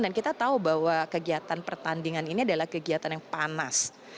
dan kita tahu bahwa kegiatan pertandingan ini adalah kegiatan yang panas